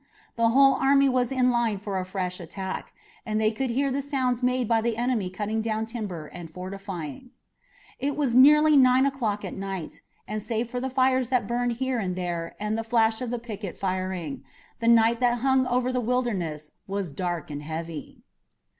The whole army was in line for a fresh attack, and they could hear the sounds made by the enemy cutting down timber and fortifying. It was now nearly nine o'clock at night, and save for the fires that burned here and there and the flash of the picket firing, the night that hung over the Wilderness was dark and heavy.